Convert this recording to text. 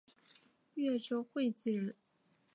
越州会稽人。